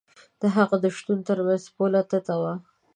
د هغه د شتون تر منځ پوله تته وي.